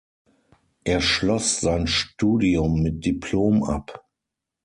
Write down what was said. Er schloss sein Studium mit Diplom ab.